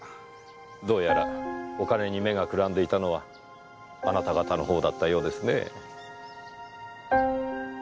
どうやらお金に目がくらんでいたのはあなた方のほうだったようですねぇ。